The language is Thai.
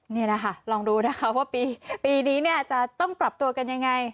นี่แหละค่ะลองดูนะคะว่าปีนี้เนี่ยจะต้องปรับตัวกันยังไง